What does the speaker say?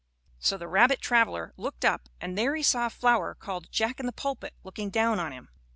So the rabbit traveler looked up, and there he saw a flower called Jack in the pulpit looking down on him.